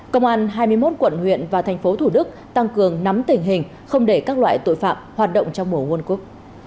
công an hai mươi một quận huyện và tp thủ đức tăng cường nắm tình hình không để các loại tội phạm hoạt động trong mùa world cup